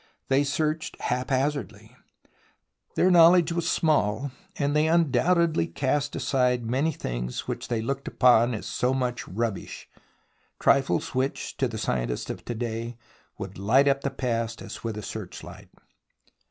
They searched haphazard. Their knowledge was small, and they undoubtedly cast aside many things which they looked upon as so much rubbish, trifles which to the scientist of to day would light up the past as with a searchhght.